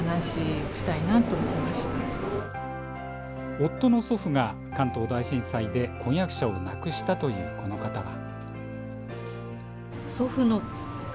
夫の祖父が関東大震災で婚約者を亡くしたというこの方は。